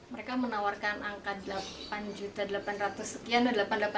mereka menawarkan angka delapan delapan ratus sekian delapan ratus delapan puluh delapan kayak gitu